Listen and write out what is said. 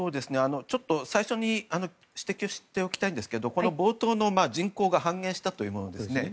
ちょっと最初に指摘をしておきたいんですがこの冒頭の人口が半減したというものですね。